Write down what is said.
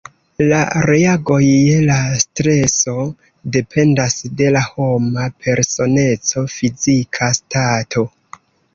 La reagoj je la streso dependas de la homa personeco, fizika stato.